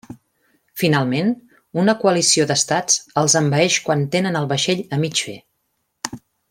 Finalment, una coalició d'Estats els envaeix quan tenen el vaixell a mig fer.